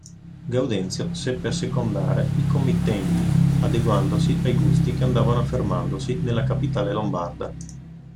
Gaudenzio seppe assecondare i committenti adeguandosi ai gusti che andavano affermandosi nella capitale lombarda.